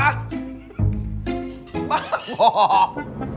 บ้าบอก